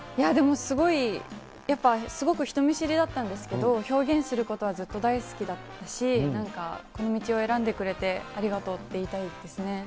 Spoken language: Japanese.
でもすごい、やっぱすごく人見知りだったんですけれども、表現することはずっと大好きだったし、この道を選んでくれてありがとうって言いたいですね。